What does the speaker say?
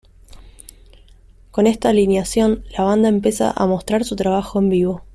Con esta alineación, la banda empieza a mostrar su trabajo en vivo.